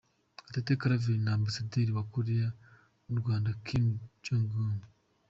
Gatete Claver na Ambasaderi wa Koreya mu Rwanda, Kim Eung Joong.